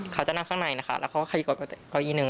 เขาจะนั่งข้างในนะคะแล้วเขาก็ขยีกดเขาอีหนึ่ง